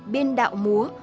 biên đạo múa